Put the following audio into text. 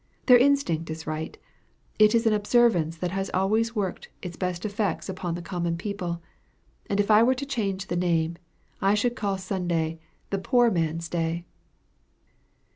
Their instinct is right. It is an observance that has always worked its best effects upon the common people, and if I were to change the name, I should call Sunday THE POOR MAN'S DAY.